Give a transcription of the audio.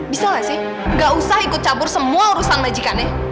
bisa gak sih gak usah ikut campur semua urusan majikannya